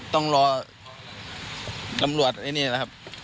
ต้องรอตำรวจไอ้นี่แหละครับ